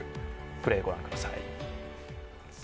プレー、ご覧ください。